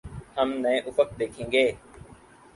ہم نئے افق دیکھیں گے۔